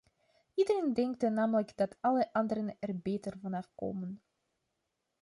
Iedereen denkt namelijk dat alle anderen er beter vanaf komen.